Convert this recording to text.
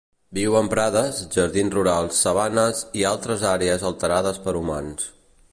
Viu en prades, jardins rurals, sabanes i altres àrees alterades per humans.